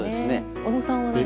小野さんは？